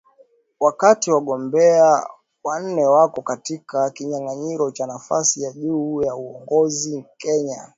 Wakati wagombea wanne wako katika kinyang’anyiro cha nafasi ya juu ya uongozi Kenya